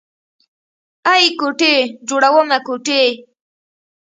ای کوټې جوړومه کوټې.